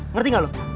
ngerti gak lu